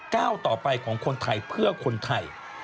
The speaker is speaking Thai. ก้าวต่อไปของคนไทยเพื่อคนไทย